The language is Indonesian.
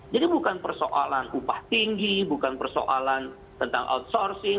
jadi bukan persoalan upah tinggi bukan persoalan tentang outsourcing